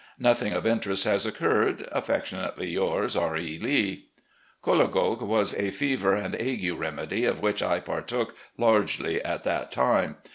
Nothing of interest has occurred. "Affectionately yours, "R. E. Lee." Cholagogue was a fever and ague remedy of which I partook largely at that time.